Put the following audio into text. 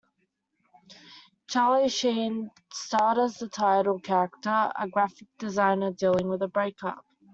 Charlie Sheen starred as the title character, a graphic designer dealing with a break-up.